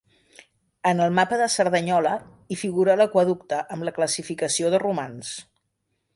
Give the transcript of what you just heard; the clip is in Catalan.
En el Mapa de Cerdanyola, hi figura l'aqüeducte amb la classificació de Romans.